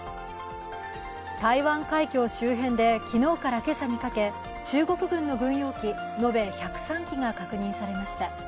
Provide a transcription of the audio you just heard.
台湾海峡周辺で昨日から今朝にかけ、中国軍の軍用機延べ１０３機が確認されました。